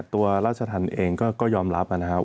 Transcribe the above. ราชธรรมเองก็ยอมรับนะครับ